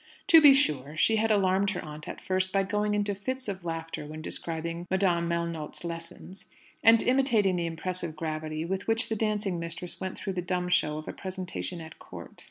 To be sure, she had alarmed her aunt at first, by going into fits of laughter when describing Madame Melnotte's lessons, and imitating the impressive gravity with which the dancing mistress went through the dumb show of a presentation at Court.